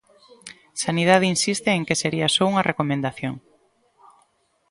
Sanidade insiste en que sería só unha recomendación.